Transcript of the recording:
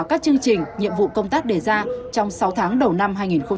các chương trình nhiệm vụ công tác đề ra trong sáu tháng đầu năm hai nghìn hai mươi